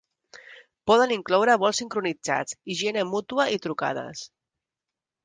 Poden incloure vols sincronitzats, higiene mútua i trucades.